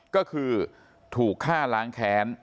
ก็คือถูกฆ่าล้างแค้น